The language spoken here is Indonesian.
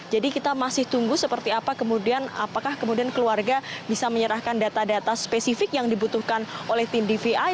jadi kita masih tunggu seperti apa kemudian apakah kemudian keluarga bisa menyerahkan data data spesifik yang dibutuhkan oleh tim dvi